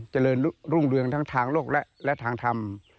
เจริญรุ่งเรืองทั้งทางโลกและทางธรรม